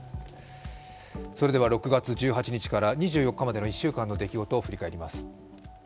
それでは６月１８日から２４日までの１週間の出来事を振り返ります。